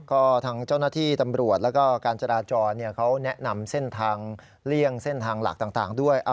ก็ทางเจ้าหน้าที่ตำรวจแล้วก็การจราจรเขาแนะนำเส้นทางเลี่ยงเส้นทางหลักต่างด้วย